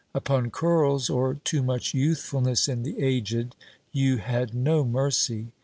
Upon curls, or too much youthfulness in the aged, you had no mercy.